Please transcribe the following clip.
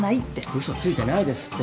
うそついてないですって。